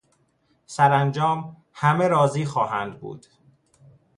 سرانجام همه راضی خواهند بود.